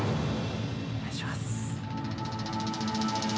お願いします。